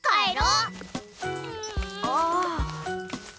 ああ。